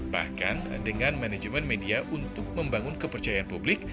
bahkan dengan manajemen media untuk membangun kepercayaan publik